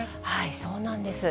そうなんです。